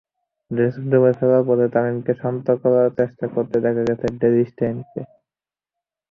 ড্রেসিংরুমে ফেরার পথে তামিমকে শান্ত করার চেষ্টা করতে দেখা গেছে ডেল স্টেইনকেও।